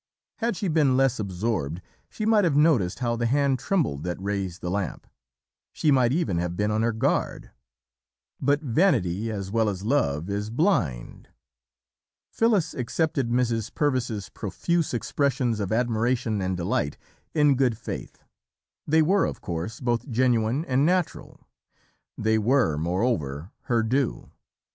Had she been less absorbed she might have noticed how the hand trembled that raised the lamp; she might even have been on her guard. "But vanity as well as love is blind. Phyllis accepted Mrs. Purvis's profuse expressions of admiration and delight in good faith; they were, of course, both genuine and natural; they were, moreover, her due.